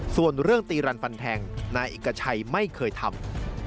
ส่วนเรื่องตีรันฟันแทงนายเอกชัยไม่เคยทำ